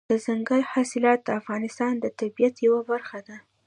دځنګل حاصلات د افغانستان د طبیعت یوه برخه ده.